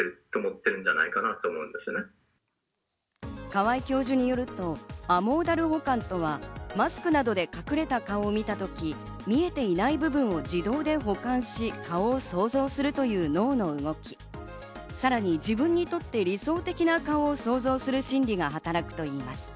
川合教授によると、アモーダル補完はマスクなどで隠れた顔を見たとき、見えていない部分を自動で補完し、顔を想像するという脳の動き、さらに自分にとって理想的な顔を想像する心理が働くといいます。